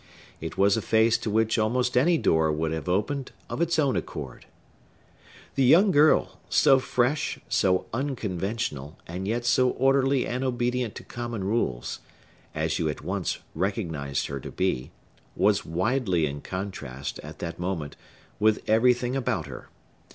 It was a face to which almost any door would have opened of its own accord. The young girl, so fresh, so unconventional, and yet so orderly and obedient to common rules, as you at once recognized her to be, was widely in contrast, at that moment, with everything about her.